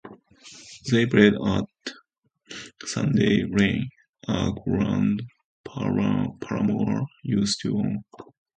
They play at Sandy Lane, a ground Parramore used to own.